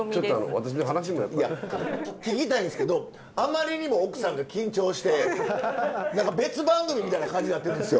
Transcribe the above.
聞きたいんですけどあまりにも奥さんが緊張して別番組みたいな感じなってるんですよ。